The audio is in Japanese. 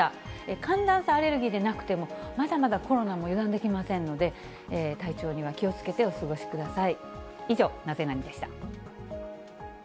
寒暖差アレルギーでなくても、まだまだコロナも油断できませんので、体調には気をつけてお過ごしください。